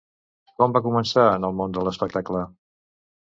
Com va començar en el món de l'espectacle?